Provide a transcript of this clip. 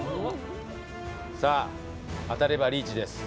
さあ当たればリーチです。